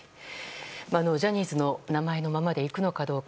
ジャニーズの名前のままでいくのかどうか。